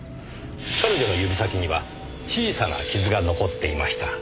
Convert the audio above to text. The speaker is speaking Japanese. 彼女の指先には小さな傷が残っていました。